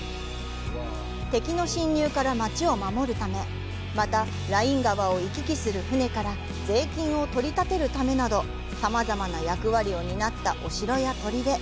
敵の侵入から街を守るため、またライン川を行き来する船から税金を取り立てるためなど、さまざまな役割を担ったお城や砦。